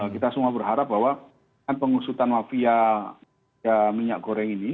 kita semua berharap bahwa pengusutan mafia minyak goreng ini